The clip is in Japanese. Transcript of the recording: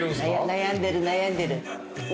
悩んでる悩んでる。